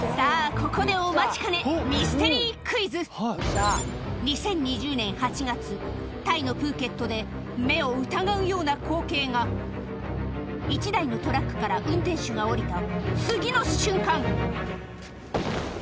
ここでお待ちかね２０２０年８月タイのプーケットで目を疑うような光景が１台のトラックから運転手が降りた次の瞬間